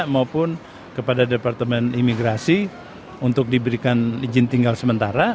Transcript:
maupun kepada departemen imigrasi untuk diberikan izin tinggal sementara